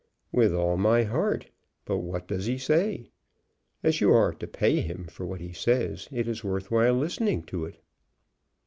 "With all my heart. But what does he say? As you are to pay him for what he says, it is worth while listening to it."